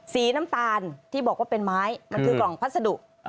สีน้ำตาลที่บอกว่าเป็นไม้มันคือกล่องพัสดุ